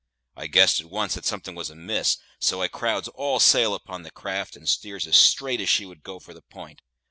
I guessed at once't that something was amiss; so I crowds all sail upon the craft, and steers as straight as she would go for the p'int.